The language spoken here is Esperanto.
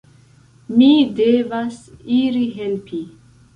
Mi devas iri helpi.